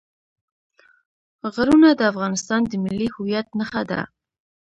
غرونه د افغانستان د ملي هویت نښه ده.